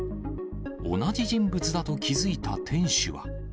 同じ人物だと気付いた店主は。